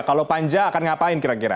kalau panja akan ngapain kira kira